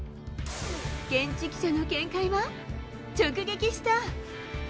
現地記者の見解は、直撃した。